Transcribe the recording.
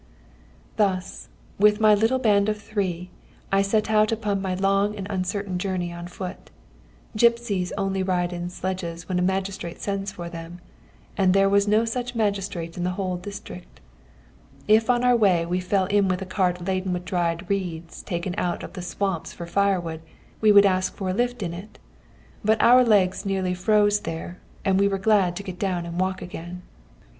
"Thus, with my little band of three, I set out upon my long and uncertain journey on foot. Gipsies only ride in sledges when a magnate sends for them, and there was no such magnate in the whole district. If on our way we fell in with a cart laden with dried reeds taken out of the swamps for firewood, we would ask for a lift in it. But our legs nearly froze there, and we were glad to get down again and walk.